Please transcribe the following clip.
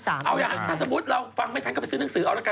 เอาอย่างถ้าสมมุติเราฟังไม่ทันก็ไปซื้อหนังสือเอาละกัน